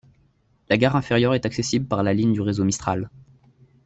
La gare inférieure est accessible par la ligne du Réseau Mistral.